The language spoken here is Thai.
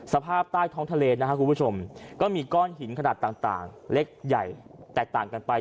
สภาพใต้ท้องทะเลนะครับคุณผู้ชมก็มีก้อนหินขนาดต่างเล็กใหญ่แตกต่างกันไป